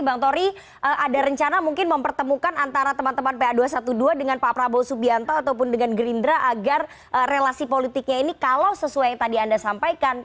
bang tori ada rencana mungkin mempertemukan antara teman teman pa dua ratus dua belas dengan pak prabowo subianto ataupun dengan gerindra agar relasi politiknya ini kalau sesuai yang tadi anda sampaikan